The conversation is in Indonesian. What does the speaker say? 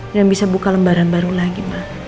dan bisa buka lembaran baru lagi ma